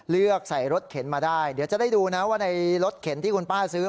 เลือกใส่รถเข็นมาได้เดี๋ยวจะได้ดูนะว่าในรถเข็นที่คุณป้าซื้อ